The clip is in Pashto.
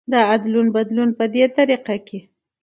د ادلون بدلون په دې طريقه کې